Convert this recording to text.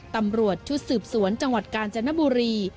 ตำรวจชุดสืบสวนจังหวัดกาญจนบุรี